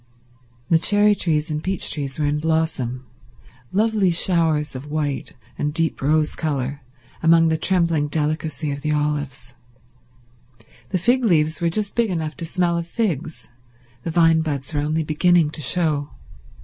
The cherry trees and peach trees were in blossom—lovely showers of white and deep rose colour among the trembling delicacy of the olives; the fig leaves were just big enough to smell of figs, the vine buds were only beginning to show.